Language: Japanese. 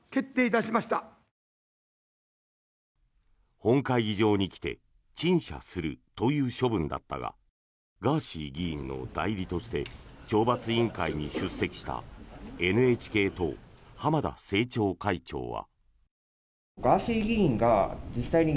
本会議場に来て陳謝するという処分だったがガーシー議員の代理として懲罰委員会に出席したＮＨＫ党、浜田政調会長は。